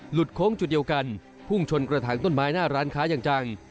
โค้งจุดเดียวกันพุ่งชนกระถางต้นไม้หน้าร้านค้าอย่างจัง